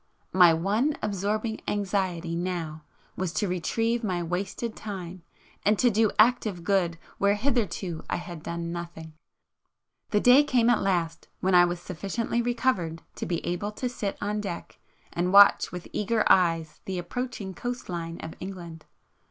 My one absorbing anxiety now was to retrieve my wasted time, and to do active good where hitherto I had done nothing! The day came at last, when I was sufficiently recovered to be able to sit on deck and watch with eager eyes the approaching coast line of England.